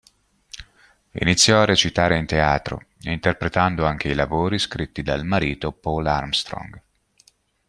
Iniziò a recitare in teatro, interpretando anche i lavori scritti dal marito Paul Armstrong.